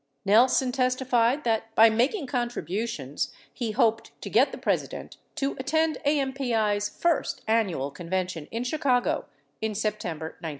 49 Nelson testified that by making contributions, he hoped to get the President to attend AMPl's first annual convention in Chicago in September 1970.